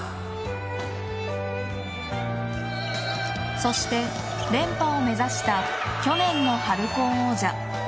そして連覇を目指した去年の春高王者。